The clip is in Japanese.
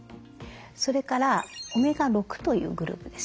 それからオメガ６というグループですね。